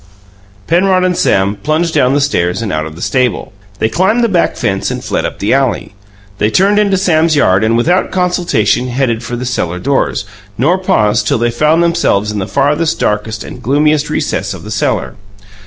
Penrod and Sam plunged down the stairs and out of the stable. They climbed the back fence and fled up the alley. They turned into Sam's yard, and, without consultation, headed for the cellar doors, nor paused till they found themselves in the farthest, darkest and gloomiest recess of the cellar.